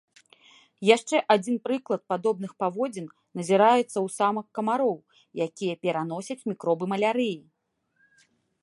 Яшчэ адзін прыклад падобных паводзін назіраецца ў самак камароў, якія пераносяць мікробы малярыі.